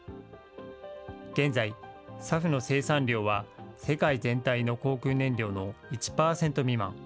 現在、ＳＡＦの生産量は、世界全体の航空燃料の１％未満。